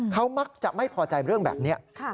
เขามักจะไม่พอใจเรื่องแบบนี้